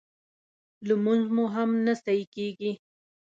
لمونځ مو هم نه صحیح کېږي